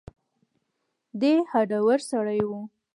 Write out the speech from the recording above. دی هډور سړی و.